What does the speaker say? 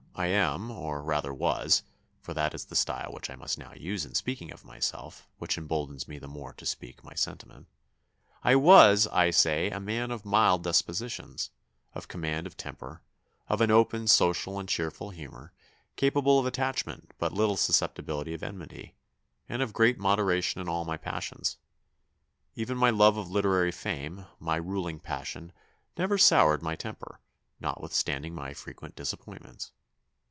I am, or rather was (for that is the style which I must now use in speaking of myself, which emboldens me the more to speak my sentiment); I was, I say, a man of mild dispositions, of command of temper, of an open, social, and cheerful humour, capable of attachment, but little susceptible of enmity, and of great moderation in all my passions. Even my love of literary fame my ruling passion, never soured my temper, notwithstanding my frequent disappointments.